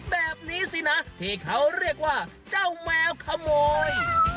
แบบนี้สินะที่เขาเรียกว่าเจ้าแมวขโมย